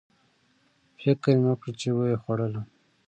فکر مې وکړ چې ویې خوړلم